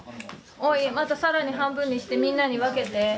またさらに半分にしてみんなに分けて。